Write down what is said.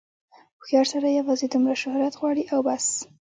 هوښیار سړی یوازې دومره شهرت غواړي او بس.